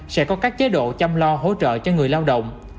sẽ có các chế độ chăm lo hỗ trợ cho người lao động